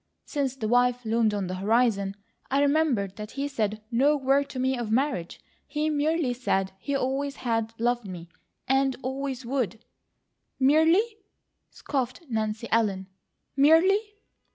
Since the wife loomed on the horizon, I remembered that he said no word to me of marriage; he merely said he always had loved me and always would " "Merely?" scoffed Nancy Ellen. "Merely!"